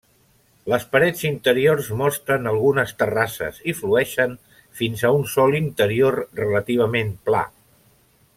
Les parets interiors mostren algunes terrasses, i flueixen fins a un sòl interior relativament pla.